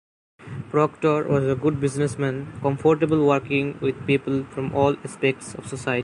Proctor was a good businessman, comfortable working with people from all aspects of society.